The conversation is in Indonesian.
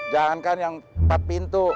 jangankan yang empat pintu